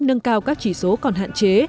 nâng cao các chỉ số còn hạn chế